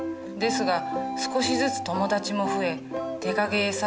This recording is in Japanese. ですが少しずつ友達も増え手影絵